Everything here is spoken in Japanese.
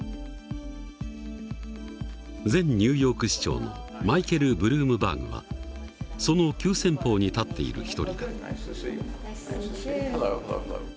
前ニューヨーク市長のマイケル・ブルームバーグはその急先鋒に立っている一人だ。